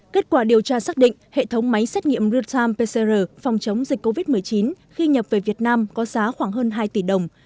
kết quả điều tra xác định hệ thống máy xét nghiệm real time pcr phòng chống dịch covid một mươi chín khi nhập về việt nam có giá khoảng hơn hai tỷ đồng